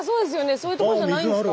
そういうとこじゃないんですか？